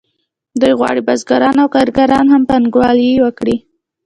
دوی غواړي بزګران او کارګران هم پانګوالي وکړي